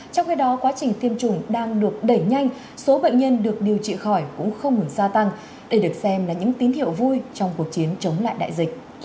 trong khi đó quá trình tiêm chủng đang được đẩy nhanh số bệnh nhân được điều trị khỏi cũng không ngừng gia tăng đây được xem là những tín hiệu vui trong cuộc chiến chống lại đại dịch